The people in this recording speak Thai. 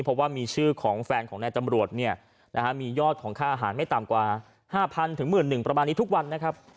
เพราะว่ามีชื่อของแฟนของนายตำรวจเนี่ยนะฮะมียอดของค่าอาหารไม่ต่ำกว่า๕๐๐ถึง๑๑๐๐ประมาณนี้ทุกวันนะครับ